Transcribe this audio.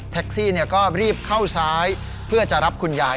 ซี่ก็รีบเข้าซ้ายเพื่อจะรับคุณยาย